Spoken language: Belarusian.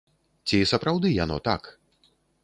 Ці сапраўды яно так?